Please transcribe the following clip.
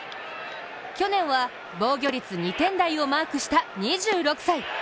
去年は防御率２点台をマークした２６歳。